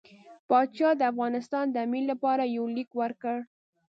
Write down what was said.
پاشا د افغانستان د امیر لپاره یو لیک ورکړ.